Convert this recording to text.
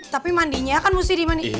tapi mandinya kan mesti dimandiin